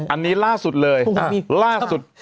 อันนี้ล่าสุดเลยล่าสุด